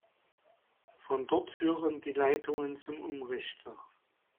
Von dort führen die Leitungen zum Umrichter.